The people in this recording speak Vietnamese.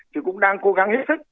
thì cũng đang cố gắng hết sức